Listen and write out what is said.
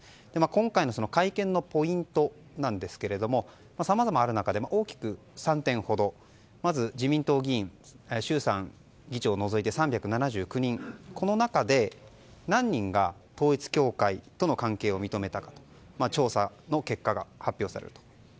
今回の会見のポイントなんですがさまざまある中で大きく３点ほどまず、自民党議員衆参議長を除いて３７９人、この中で何人が統一教会との関係を認めたかと調査の結果が発表されます。